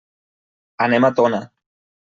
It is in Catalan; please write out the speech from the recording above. Anem a Tona.